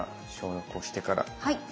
はい。